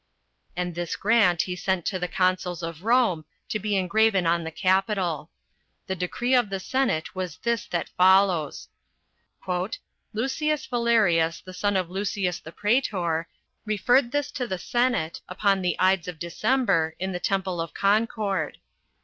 And this grant he sent to the consuls to Rome, to be engraven in the capitol. The decree of the senate was this that follows: 13 "Lucius Valerius, the son of Lucius the praetor, referred this to the senate, upon the Ides of December, in the temple of Concord.